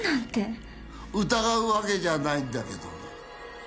疑うわけじゃないんだけどね